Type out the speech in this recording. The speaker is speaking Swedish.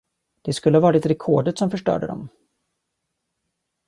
Det skulle ha varit rekordet som förstörde dem.